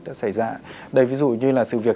đã xảy ra đây ví dụ như là sự việc